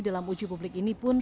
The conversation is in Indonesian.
dalam uji publik ini pun